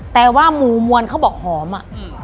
แต่ว่าหมูมวลเขาบอกหอมอะ